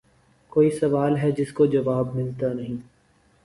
کوئی سوال ھے جس کو جواب مِلتا نیں